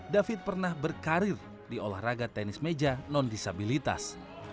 david pernah berkarir di olahraga tenis meja non disabilitas